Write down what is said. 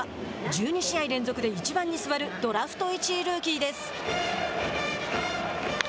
１２試合連続で１番に座るドラフト１位ルーキーです。